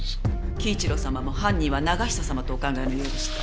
輝一郎様も犯人は永久様とお考えのようでした。